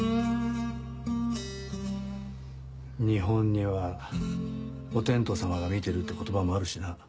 日本にはお天道様が見てるって言葉もあるしな。